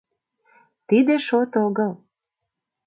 — Тиде шот огыл.